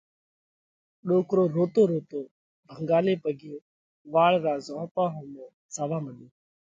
ڏوڪرو روتو روتو ڀنڳالي پڳي واڙ را زهونپا ۿومو زاوا مڏيو۔